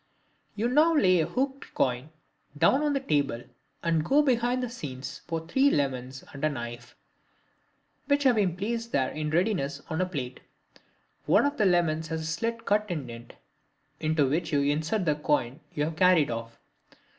You now lay the hooked coin down on the table and go behind the scenes for three lemons and a knife, which have been placed there in readiness on a plate. One of the lemons has a slit cut in it, into which you insert the coin you have carried off.